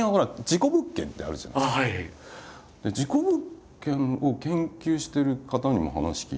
事故物件を研究してる方にも話聞いて。